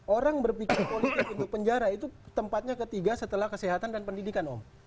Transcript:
orang berpikir politik untuk penjara itu tempatnya ketiga setelah kesehatan dan pendidikan om